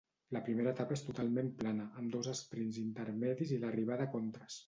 La primera etapa és totalment plana, amb dos esprints intermedis i l'arribada a Contres.